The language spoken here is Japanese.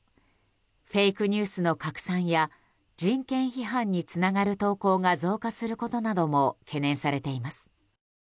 フェイクニュースの拡散や人権批判につながる投稿が増加することなども懸念されています。